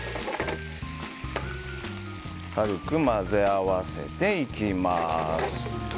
軽く混ぜ合わせていきます。